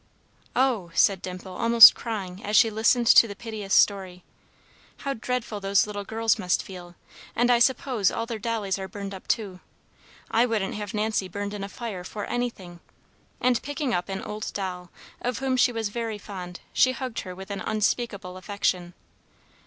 "Oh," said Dimple, almost crying, as she listened to the piteous story, "how dreadful those little girls must feel! And I suppose all their dollies are burned up too. I wouldn't have Nancy burned in a fire for anything!" and, picking up an old doll, of whom she was very fond, she hugged her with unspeakable affection.